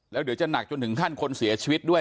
แล้วเดี๋ยวจะหนักจนถึงขั้นคนเสียชีวิตด้วย